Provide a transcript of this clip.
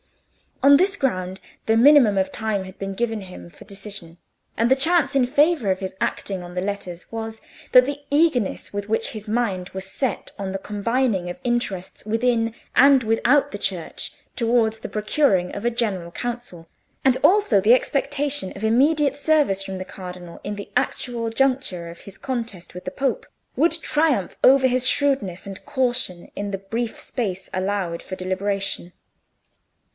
On this ground the minimum of time had been given him for decision, and the chance in favour of his acting on the letters was, that the eagerness with which his mind was set on the combining of interests within and without the Church towards the procuring of a General Council, and also the expectation of immediate service from the Cardinal in the actual juncture of his contest with the Pope, would triumph over his shrewdness and caution in the brief space allowed for deliberation.